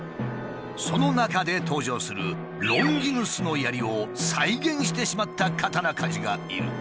その中で登場する「ロンギヌスの槍」を再現してしまった刀鍛冶がいる。